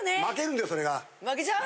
負けちゃう？